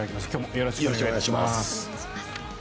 よろしくお願いします。